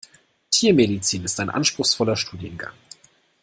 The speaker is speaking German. Tiermedizin ist ein anspruchsvoller Studiengang.